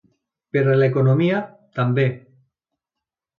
Per a l’economia, també.